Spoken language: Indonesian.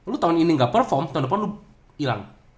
lu tahun ini gak perform tahun depan lu hilang